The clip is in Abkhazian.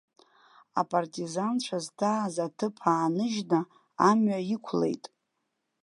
Апартизанцәа зҭааз аҭыԥ ааныжьны, амҩа иқәлеит.